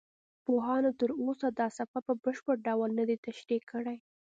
پوهانو تر اوسه دا سفر په بشپړ ډول نه دی تشریح کړی.